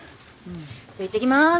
じゃあいってきます。